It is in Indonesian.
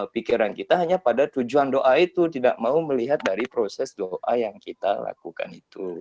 pikiran kita hanya pada tujuan doa itu tidak mau melihat dari proses doa yang kita lakukan itu